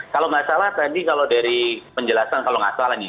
kalau nggak salah tadi kalau dari penjelasan kalau nggak salah nih